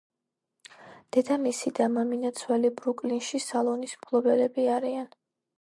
დედამისი და მამინაცვალი ბრუკლინში სალონის მფლობელები არიან.